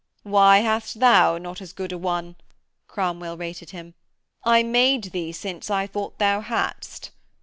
'Why hast thou not as good a one?' Cromwell rated him. 'I made thee since I thought thou hadst.'